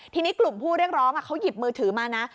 ทีนี้กลุ่มผู้เรียกร้องเขาหยิบมือถือมานะ